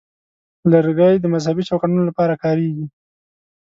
لرګی د مذهبي چوکاټونو لپاره کارېږي.